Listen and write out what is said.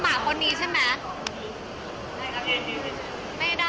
โทษเย็น